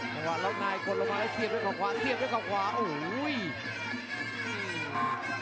จังหวะรอบนายกดละมาสี่เทียบด้วยขวาเทียบด้วยขวาโอ้โห